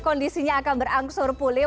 kondisinya akan berangsur pulih